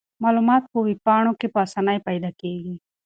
معلومات په ویب پاڼو کې په اسانۍ پیدا کیږي.